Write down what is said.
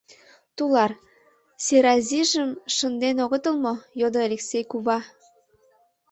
— Тулар, Серазижым шынден огытыл мо? — йодо Элексей кува.